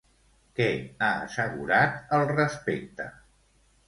Què ha assegurat al respecte?